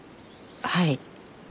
はい。